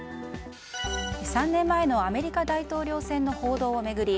３年前のアメリカ大統領選の報道を巡り